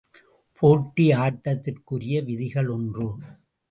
போட்டி ஆட்டத்திற்குரிய விதிகள் ஒன்று.